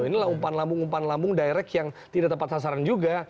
inilah umpan lambung umpan lambung direct yang tidak tepat sasaran juga